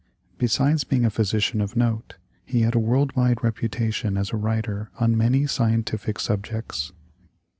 Besides being a physician of note, he had a world wide reputation as a writer on many scientific subjects.